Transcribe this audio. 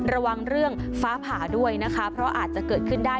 ระวังเรื่องฟ้าผ่าด้วยนะคะเพราะอาจจะเกิดขึ้นได้